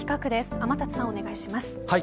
天達さん、お願いします。